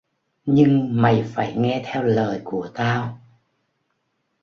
Nhưng mày phải nghe theo lời của tao